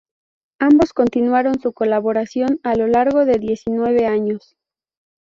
Ambos continuaron su colaboración a lo largo de diecinueve años.